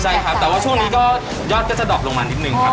ใช่ครับแต่ว่าช่วงนี้ก็ยอดก็จะดอกลงมานิดนึงครับ